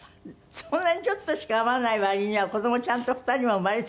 そんなにちょっとしか会わない割には子どもちゃんと２人も生まれた。